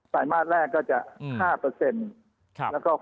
ปลายมาตรแรกก็จะ๕แล้วก็๖แล้วก็๑๐